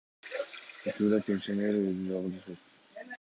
Учурда пенсионер өзү жалгыз жашайт.